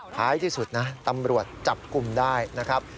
ท้ายที่สุดนะตำรวจจับกลุ่มได้นะครับ